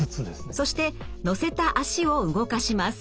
そして乗せた脚を動かします。